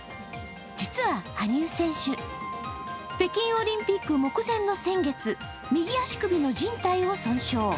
実は羽生選手、北京オリンピック目前の先月、右足首のじん帯を損傷。